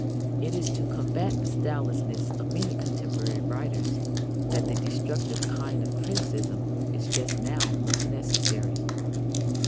It is to combat the stylelessness of many contemporary writers that the destructive kind of criticism is just now most necessary.